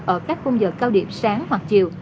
ở các khung giờ cao điệp sáng hoặc chiều